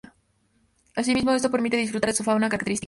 Asimismo, esto permite disfrutar de su fauna característica.